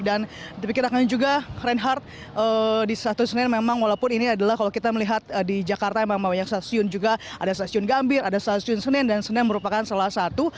dipikirkan juga reinhardt di stasiun senin memang walaupun ini adalah kalau kita melihat di jakarta memang banyak stasiun juga ada stasiun gambir ada stasiun senen dan senen merupakan salah satu